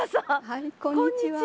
はいこんにちは。